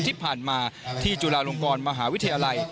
ที่ผ่านมาที่จุฬาลงกรมหาวิทยาลัย